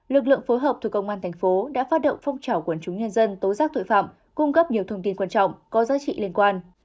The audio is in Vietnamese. lực lượng phối hợp thuộc công an thành phố đã phát động phong trào quần chúng nhân dân tố giác tội phạm cung cấp nhiều thông tin quan trọng có giá trị liên quan